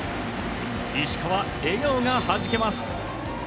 石川、笑顔がはじけます。